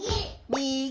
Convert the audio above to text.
みぎ！